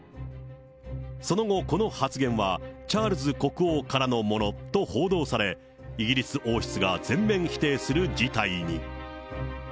その後、この発言はチャールズ国王からのものと報道され、イギリス王室が全面否定する事態に。